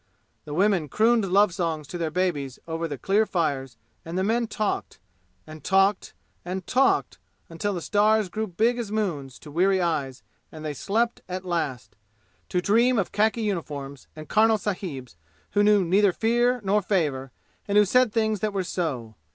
The women crooned love songs to their babies over the clear fires and the men talked and talked and talked until the stars grew big as moons to weary eyes and they slept at last, to dream of khaki uniforms and karnel sahibs who knew neither fear nor favor and who said things that were so.